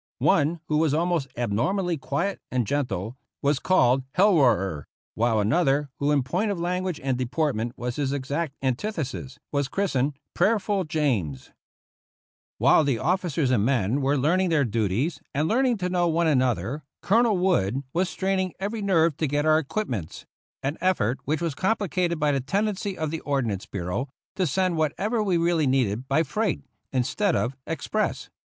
One, who was almost abnormally quiet and gentle, was called " Hell Roarer "; while another, who in point of language and deportment was his exact antithesis, was christened " Prayerful James." 45 THE ROUGH RIDERS While the ofBcers and men were learning their duties, and learning to know one another, Colonel Wood was straining every nerve to get our equip ments — an effort which was complicated by the tendency of the Ordnance Bureau to send what ever we really needed by freight instead of ex press.